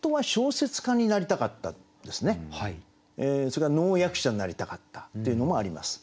それから能役者になりたかったっていうのもあります。